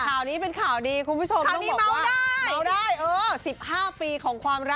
ข่าวนี้เป็นข่าวดีคุณผู้ชมต้องบอกว่า